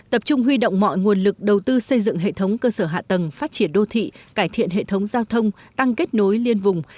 tập trung huy động mọi nguồn lực đầu tư xây dựng hệ thống cơ sở hạ tầng phát triển đô thị cải thiện hệ thống giao thông tăng kết nối liên vùng